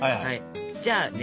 じゃあね